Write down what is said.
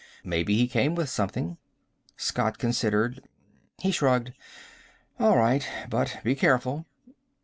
"Maybe he came with something." Scott considered. He shrugged. "All right. But be careful."